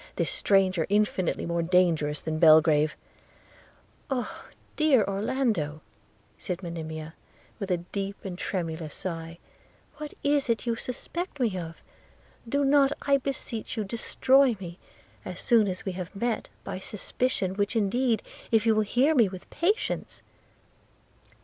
this stranger, infinitely more dangerous than Belgrave ...' 'Oh! dear Orlando,' said Monimia, with a deep and tremulous sigh, 'what is it you suspect me of? Do not, I beseech you, destroy me as soon as we have met, by suspicion, which indeed, if you will hear me with patience